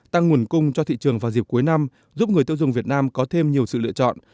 tăng nguồn cung cho thị trường vào dịp cuối năm giúp người tiêu dùng việt nam có thêm nhiều sự lựa chọn